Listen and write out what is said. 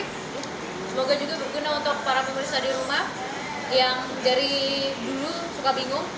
semoga juga berguna untuk para pemirsa di rumah yang dari dulu suka bingung